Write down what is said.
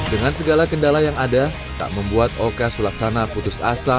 dengan segala kendala yang ada tak membuat oka sulaksana putus asa